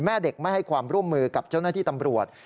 แม่เด็กไม่ให้ความร่วมมือกับเจ้าหน้าที่ตำรวจ